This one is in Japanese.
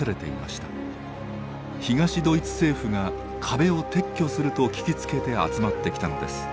東ドイツ政府が壁を撤去すると聞きつけて集まってきたのです。